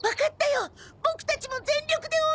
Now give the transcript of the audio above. ボクたちも全力で応援しよう！